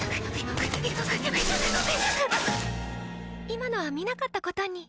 今のは見なかったことに。